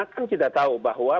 kan kita tahu bahwa